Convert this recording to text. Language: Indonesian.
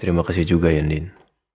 terima kasih juga ya ndin